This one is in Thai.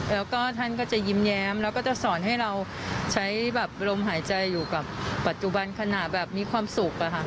แล้วก็ท่านก็จะยิ้มแย้มแล้วก็จะสอนให้เราใช้แบบลมหายใจอยู่กับปัจจุบันขณะแบบมีความสุขอะค่ะ